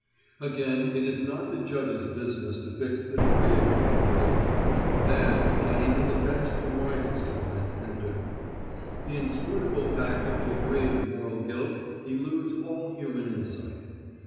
Again, it is not the judge's business to fix the degree of moral guilt; that not even the best and wisest of men can do. The inscrutable fact of the degree of moral guilt eludes all human insight.